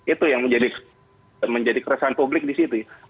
itu yang menjadi keresahan publik di situ